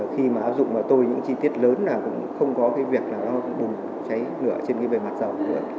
khi áp dụng vào tôi những chi tiết lớn cũng không có việc bùng cháy nửa trên bề mặt dầu